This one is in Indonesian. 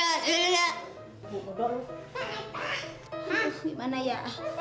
bapak bu lu gimana ya